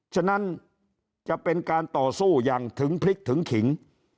ฉะนั้นจะเป็นการต่อสู้อย่างถึงพลิกถึงขิง